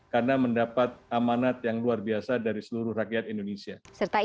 karena mendapat amanat yang luar biasa dari seluruh rakyat indonesia